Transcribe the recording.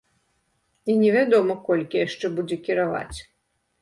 І не вядома, колькі яшчэ будзе кіраваць.